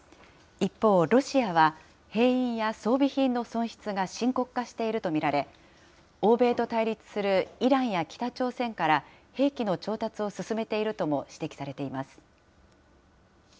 一方、ロシアは兵員や装備品の損失が深刻化していると見られ、欧米と対立するイランや北朝鮮から、兵器の調達を進めているとも指摘されています。